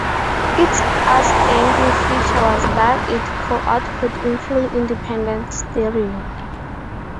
Its outstanding feature was that it could output in fully independent stereo.